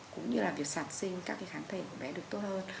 cũng như là việc sản sinh các cái kháng thể của bé được tốt hơn